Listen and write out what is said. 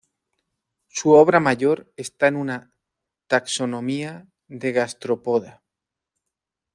Su obra mayor está en una Taxonomía de Gastropoda.